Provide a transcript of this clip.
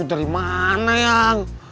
dari mana yang